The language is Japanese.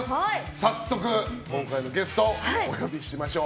早速、今回のゲストお呼びしましょう。